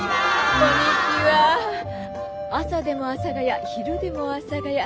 朝でも阿佐ヶ谷昼でも阿佐ヶ谷。